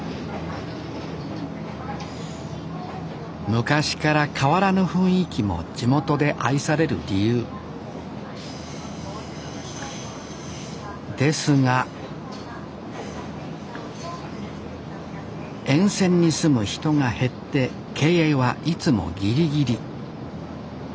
昔から変わらぬ雰囲気も地元で愛される理由ですが沿線に住む人が減って経営はいつもギリギリ。